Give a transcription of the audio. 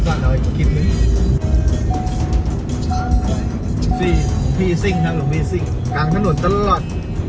สี่พี่ซิ่งทางหลวงพี่ซิ่งกลางถนนตลอด